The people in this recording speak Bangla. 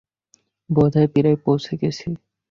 বোধহয় প্রায় পৌছে গেছি।